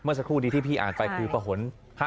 เมื่อสักครู่ที่ที่พี่อ่านไปคือประหล๕๐